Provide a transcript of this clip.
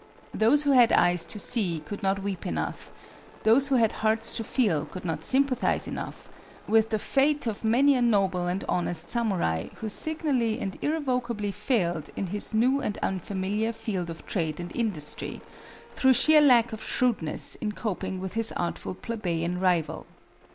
Those who had eyes to see could not weep enough, those who had hearts to feel could not sympathize enough, with the fate of many a noble and honest samurai who signally and irrevocably failed in his new and unfamiliar field of trade and industry, through sheer lack of shrewdness in coping with his artful plebeian rival.